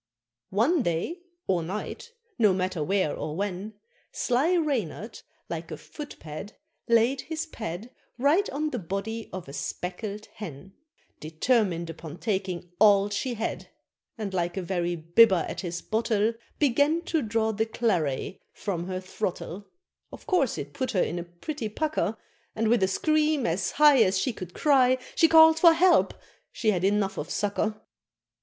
One day, or night, no matter where or when, Sly Reynard, like a foot pad, laid his pad Right on the body of a speckled Hen, Determined upon taking all she had; And like a very bibber at his bottle, Began to draw the claret from her throttle; Of course it put her in a pretty pucker, And with a scream as high As she could cry, She call'd for help she had enough of sucker.